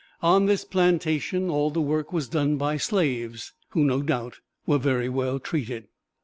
On this plantation all the work was done by slaves, who, no doubt, were very well treated.